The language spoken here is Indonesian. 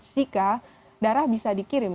zika darah bisa dikirim